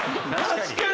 確かに！